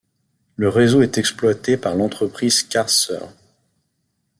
Le réseau est exploité par l'entreprise Cars Sœur.